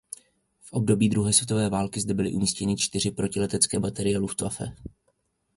V období druhé světové války zde byly umístěny čtyři protiletecké baterie Luftwaffe.